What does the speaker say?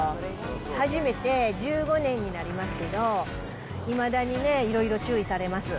始めて１５年になりますけど、いまだにね、いろいろ注意されます。